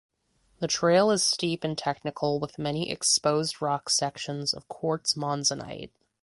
The trail is steep and technical with many exposed rock sections of quartz monzonite.